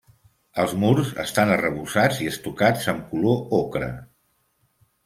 Els murs estan arrebossats i estucats amb color ocre.